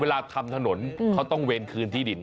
ทำถนนเขาต้องเวรคืนที่ดิน